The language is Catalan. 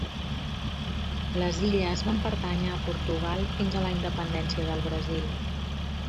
Les illes van pertànyer a Portugal fins a la independència del Brasil.